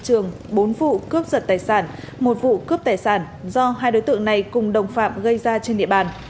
trường bốn vụ cướp giật tài sản một vụ cướp tài sản do hai đối tượng này cùng đồng phạm gây ra trên địa bàn